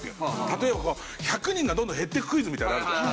例えば１００人がどんどん減ってくクイズみたいなのあるじゃん。